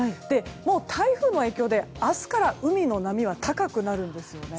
もう台風の影響で明日から海の波は高くなるんですよね。